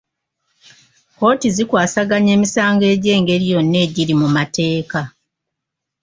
Kkooti zikwasaganya emisango egy'engeri yonna egiri mu mateeka.